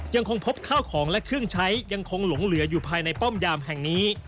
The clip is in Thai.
ยังคงพบข้าวของและเครื่องใช้ยังคงหลงเหลืออยู่ภายในป้อมยามแห่งนี้